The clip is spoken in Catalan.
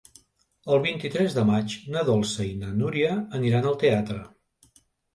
El vint-i-tres de maig na Dolça i na Núria aniran al teatre.